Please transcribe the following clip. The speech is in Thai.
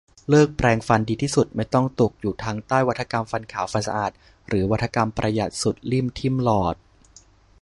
เลิกแปรงฟัน ดีที่สุด ไม่ต้องตกอยู่ทั้งใต้วาทกรรมฟันขาวฟันสะอาด หรือวาทกรรมประหยัดสุดลิ่มทิ่มหลอด